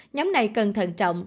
nhóm này cần thận trọng